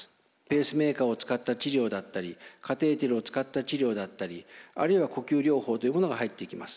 ペースメーカーを使った治療だったりカテーテルを使った治療だったりあるいは呼吸療法というものが入ってきます。